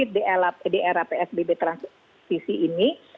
mengendalikan perkembangan covid di era psbb transisi ini